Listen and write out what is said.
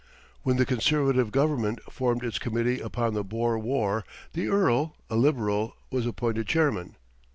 When the Conservative Government formed its Committee upon the Boer War, the Earl, a Liberal, was appointed chairman.